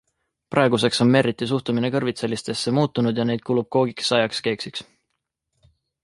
Praeguseks on Merriti suhtumine kõrvitsalistesse muutunud ja neid kulub koogiks, saiaks, keeksiks.